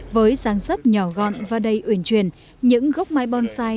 với sáng sấp nhỏ gọn và đầy uyển truyền những gốc mai bonsai